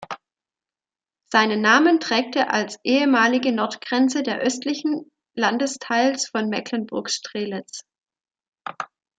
Seinen Namen trägt er als ehemalige Nordgrenze der östlichen Landesteils von Mecklenburg-Strelitz.